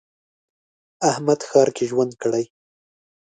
احمد ښار کې ژوند کړی.